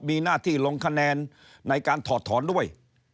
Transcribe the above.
มีหน้าที่ลงคะแนนในการถอดถอนด้วย